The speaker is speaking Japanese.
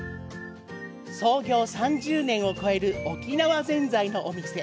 創業３０年を超える沖縄ぜんざいのお店。